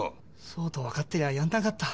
そうとわかってりゃやんなかった。